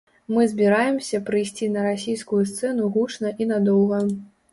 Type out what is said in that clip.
Мы збіраемся прыйсці на расійскую сцэну гучна і надоўга.